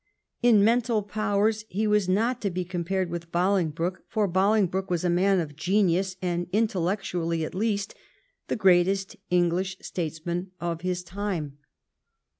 In mental powers he was not to be compared with Boling broke, for Bolingbroke was a man of genius, and, in tellectually at least, the greatest English statesman of his time.